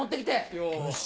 よし。